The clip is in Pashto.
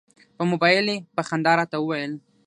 په مبایل یې په خندا راته وویل.